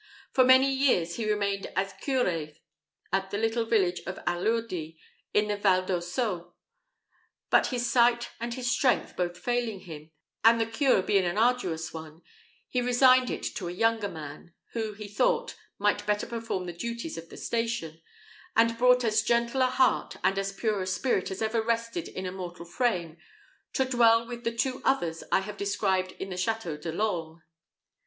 For many years he remained as cure at the little village of Allurdi, in the Val d'Ossau; but his sight and his strength both failing him, and the cure being an arduous one, he resigned it to a younger man, (who, he thought, might better perform the duties of the station,) and brought as gentle a heart and as pure a spirit as ever rested in a mortal frame, to dwell with the two others I have described in the Château de l'Orme.